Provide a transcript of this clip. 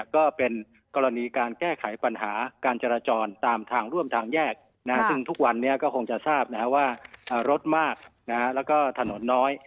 ก็เป็นกรณีการแก้ไขปัญหาการจราจรตามทางร่วมทางแยกซึ่งทุกวันนี้ก็คงจะทราบว่ารถมากแล้วก็ถนนน้อย